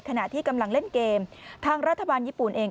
ขณะที่กำลังเล่นเกมทางรัฐบาลญี่ปุ่นเอง